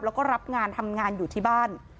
แล้วก็รับงานทำงานอยู่ที่บ้าน